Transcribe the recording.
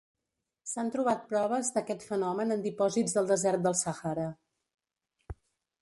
S'han trobat proves d'aquest fenomen en dipòsits del desert del Sàhara.